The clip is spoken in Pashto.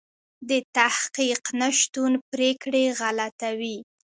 د تحقیق نشتون پرېکړې غلطوي.